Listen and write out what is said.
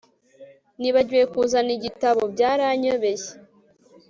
nibagiwe kuzana igitabo. byaranyobeye